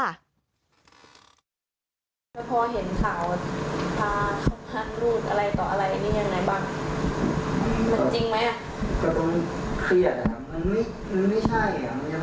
หยาแล้วด้วยหยาแล้ว